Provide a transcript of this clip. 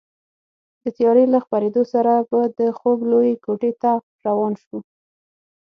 د تیارې له خپرېدو سره به د خوب لویې کوټې ته روان شوو.